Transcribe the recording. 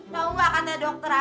kamu nggak akan lihat dokter apa